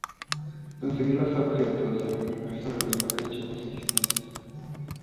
Conseguir los objetos a imprimir sobre los bloques llevó seis meses.